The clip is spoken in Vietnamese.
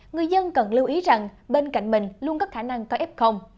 người dân cần lưu ý rằng bên cạnh mình luôn có khả năng coi ép không